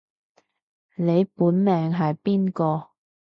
你本命係邊個